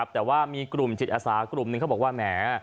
แต่ว่ามีกลุ่มจิตอาสากลุ่มหนึ่งเขาบอกว่าแหม